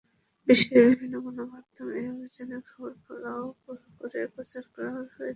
বিশ্বের বিভিন্ন গণমাধ্যমে এই অভিযানের খবর ফলাও করে প্রচার করা হয়েছিল।